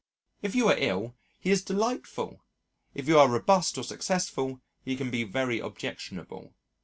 If you are ill he is delightful, if you are robust or successful he can be very objectionable.